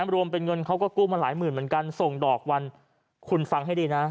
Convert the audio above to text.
รวมเป็นเงินเขาก็กู้มาหลายหมื่นเหมือนกันส่งดอกวันคุณฟังให้ดีนะ